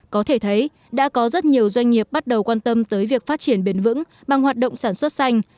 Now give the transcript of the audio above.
có thể thấy đã có rất nhiều doanh nghiệp bắt đầu quan tâm tới việc phát triển bền vững bằng hoạt động sản xuất xanh